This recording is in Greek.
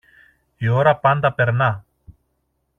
Η ώρα πάντα περνά.